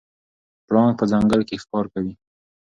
پړانګ په ځنګل کې ښکار کوي.